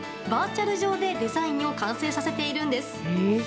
バーチャル上でデザインを完成させているんです。